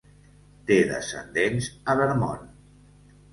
Té descendents a Vermont.